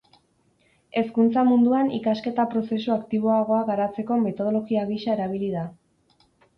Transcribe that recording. Hezkuntza munduan ikasketa-prozesu aktiboagoa garatzeko metodologia gisa erabili da.